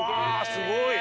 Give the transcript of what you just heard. すごい。